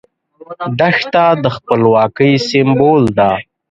دښته د خپلواکۍ سمبول ده.